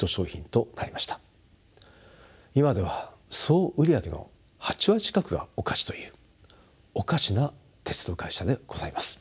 今では総売り上げの８割近くがお菓子というおかしな鉄道会社でございます。